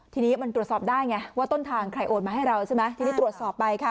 ทีนี้มันตรวจสอบได้ไงว่าต้นทางใครโอนมาให้เราใช่ไหมทีนี้ตรวจสอบไปค่ะ